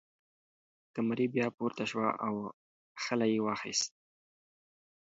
قمري بیا پورته شوه او خلی یې واخیست.